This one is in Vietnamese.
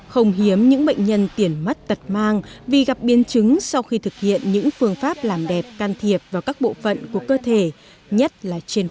không hiếm những bệnh nhân tiền mất tật mang vì gặp biến chứng sau khi thực hiện những phương pháp làm đẹp can thiệp vào các bộ phận của cơ thể nhất là trên cơ sở